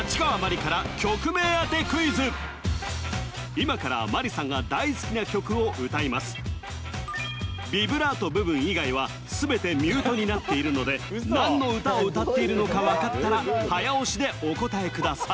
今からマリさんが大好きな曲を歌いますになっているので何の歌を歌っているのか分かったら早押しでお答えください